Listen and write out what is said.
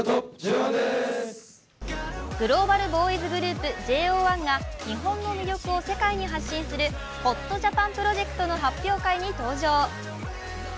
グローバルボーイズグループ、ＪＯ１が日本の魅力を世界に発信するＨＯＴＪＡＰＡＮプロジェクトの発表会に登場。